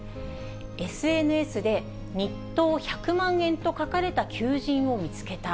ＳＮＳで日当１００万円と書かれた求人を見つけた。